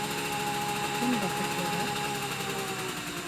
КЕМ БӘХЕТЛЕРӘК?